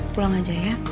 pulang aja ya